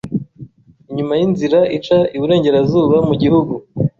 inyuma y inzira ica iburengerazuba mu gihugu